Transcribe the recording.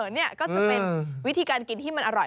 นี่ก็จะเป็นวิธีการกินที่มันอร่อย